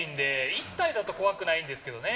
１体だと怖くないんですけどね。